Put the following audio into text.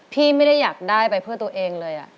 พี่ไม่ได้อยากได้ไปเพื่อตัวเองเลย